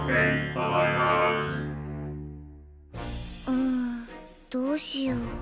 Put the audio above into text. うんどうしよう？